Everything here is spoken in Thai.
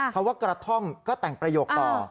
คำว่ากระท่อมก็แต่งประโยคต่อ